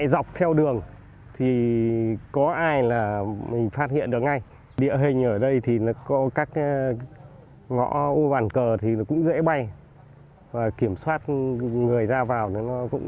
gửi ra vào thì nó cũng dễ